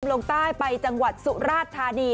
ลงใต้ไปจังหวัดสุราชธานี